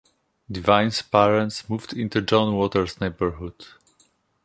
Divine’s parents moved into John Water’s neighborhood.